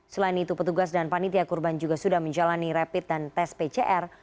selain itu petugas dan panitia kurban juga sudah menjalani rapid dan tes pcr